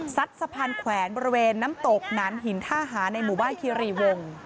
สะพานแขวนบริเวณน้ำตกหนานหินท่าหาในหมู่บ้านคิรีวง